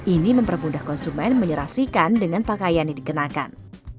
ini mempermudah konsumen menyerasikan dengan pakaian yang dikenakan